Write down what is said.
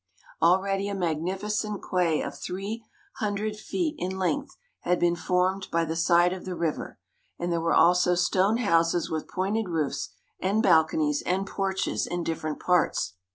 Already a magnificent quay of three hundred feet in length had been formed by the side of the river, and there were also stone houses with pointed roofs, and balconies, and porches, in different parts.